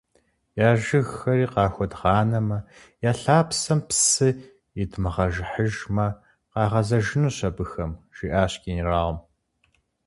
- Я жыгхэри къахуэдгъанэмэ, я лъапсэм псы идмыгъэжыхьыжмэ, къагъэзэжынущ абыхэм, – жиӏащ генералым.